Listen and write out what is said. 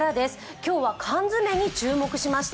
今日は缶詰に注目しました。